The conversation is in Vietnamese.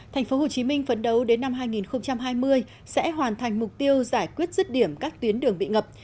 thành phố hồ chí minh phấn đấu đến năm hai nghìn hai mươi sẽ hoàn thành mục tiêu giải quyết rứt điểm các tuyến đường bị ngập